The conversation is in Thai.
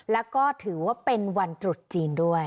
แล้วก็ถือว่าเป็นวันตรุษจีนด้วย